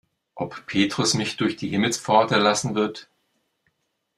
Ob Petrus mich durch die Himmelspforte lassen wird?